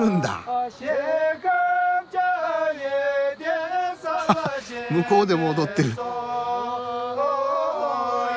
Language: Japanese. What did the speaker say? ハハッ向こうでも踊ってる。